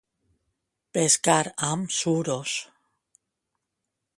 Pescar amb suros.